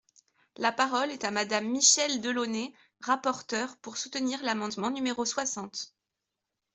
La parole est à Madame Michèle Delaunay, rapporteure, pour soutenir l’amendement numéro soixante.